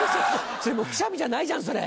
それもうくしゃみじゃないじゃんそれ。